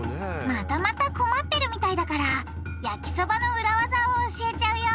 またまた困ってるみたいだから焼きそばのウラ技を教えちゃうよ！